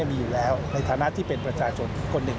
มีอยู่แล้วในฐานะที่เป็นประชาชนคนหนึ่ง